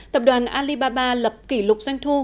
tập đoàn alibaba lập kỷ lục doanh thu